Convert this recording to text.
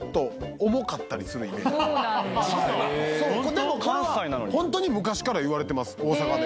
でもこれはホントに昔から言われてます大阪で。